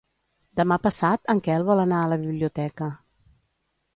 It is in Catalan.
Demà passat en Quel vol anar a la biblioteca.